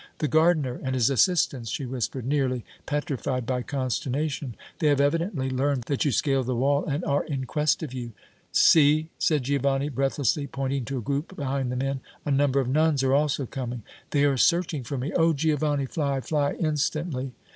"The gardener and his assistants," she whispered, nearly petrified by consternation. "They have evidently learned that you scaled the wall and are in quest of you!" "See," said Giovanni, breathlessly, pointing to a group behind the men. "A number of nuns are also coming!" "They are searching for me! Oh! Giovanni, fly, fly instantly!"